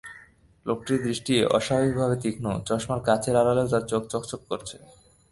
লোকটির দৃষ্টি অস্বাভাবিক তীক্ষ্ণ চশমার কাঁচের আড়ালেও তার চোখ চকচক করছে।